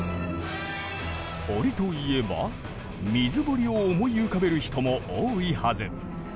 堀といえば水堀を思い浮かべる人も多いはず。